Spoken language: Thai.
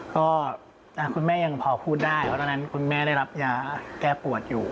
ก็คุณแม่ยังพอพูดได้เพราะตอนนั้นคุณแม่ได้รับยาแก้ปวดอยู่